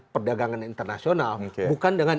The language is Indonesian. perdagangan internasional bukan dengan